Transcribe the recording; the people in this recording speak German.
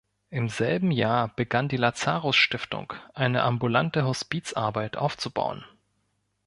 Im selben Jahr begann die Lazarus-Stiftung, eine ambulante Hospizarbeit aufzubauen.